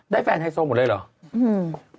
ได้แฟนไฮโซหมดเลยหรือ